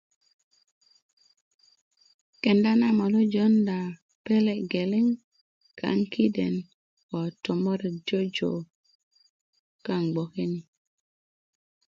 kenda na molu jonda pele geleŋ kaŋ kiden ko tomoret jojo kaŋ gboke ni